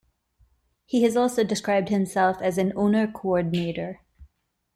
He has also described himself as an owner-coordinator.